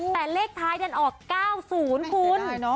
แต่เลขท้ายดันออก๙๐คุณ